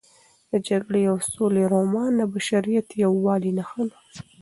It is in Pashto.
د جګړې او سولې رومان د بشریت د یووالي نښه ده.